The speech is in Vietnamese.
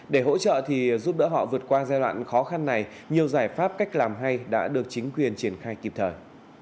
để hỗ trợ thì giúp đỡ họ vượt qua giai đoạn khó khăn này nhiều giải pháp cách làm hay đã được chính quyền triển khai kịp thời